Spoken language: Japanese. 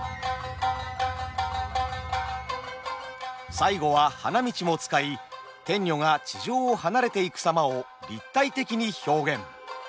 最後は花道も使い天女が地上を離れていく様を立体的に表現。